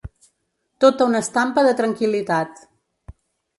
Tota una estampa de tranquil·litat.